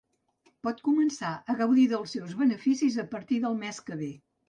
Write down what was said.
Pot començar a gaudir dels seus beneficis a partir del mes que vé.